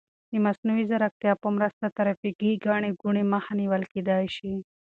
د مصنوعي ځیرکتیا په مرسته د ترافیکي ګڼې ګوڼې مخه نیول کیدای شي.